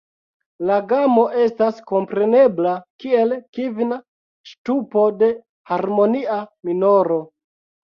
La gamo estas komprenebla kiel kvina ŝtupo de harmonia minoro.